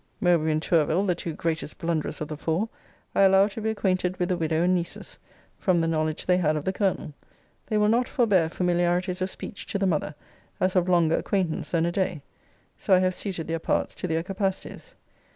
* See Letter XXXVIII. Vol. III. Mowbray and Tourville, the two greatest blunderers of the four, I allow to be acquainted with the widow and nieces, from the knowledge they had of the colonel. They will not forbear familiarities of speech to the mother, as of longer acquaintance than a day. So I have suited their parts to their capacities.